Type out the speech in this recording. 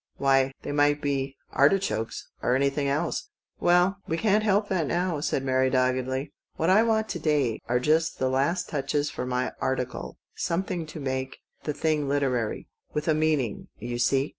Why, they might be — artichokes— or anything else." " Well, we can't help that now," said Mary doggedly. " What I want to day is just the last touches for my article — something to make the thing literary, with a meaning, you see.